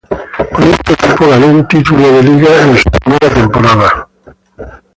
Con este equipo ganó un título de Liga en su primera temporada.